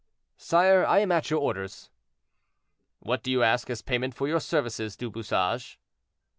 "Sire, I am at your orders." "What do you ask as payment for your services, Du Bouchage?"